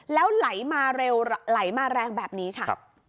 แล้วไหลมาเร็วไหลมาแรงแบบนี้ค่ะ